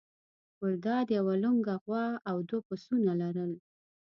ګلداد یوه لنګه غوا او دوه پسونه لرل.